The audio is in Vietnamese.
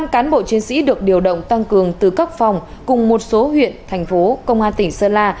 tám mươi năm cán bộ chiến sĩ được điều động tăng cường từ các phòng cùng một số huyện thành phố công an tỉnh sơn la